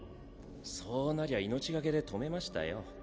そうなりゃ命懸けで止めましたよ。